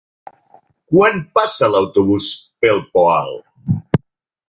Quan passa l'autobús per el Poal?